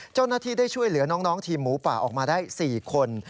เจ้าหน้าที่ได้ช่วยเหลือน้องทีมหมูป่าออกมาได้๔คน